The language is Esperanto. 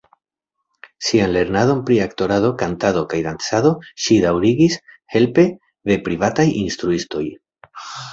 Sian lernadon pri aktorado, kantado kaj dancado ŝi daŭrigis helpe de privataj instruistoj.